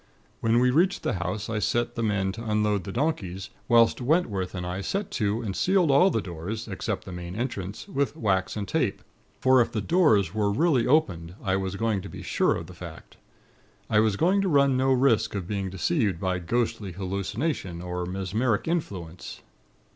When we reached the house, I set the men to unload the donkeys; whilst Wentworth and I set to and sealed all the doors, except the main entrance, with tape and wax; for if the doors were really opened, I was going to be sure of the fact. I was going to run no risk of being deceived by ghostly hallucination, or mesmeric influence.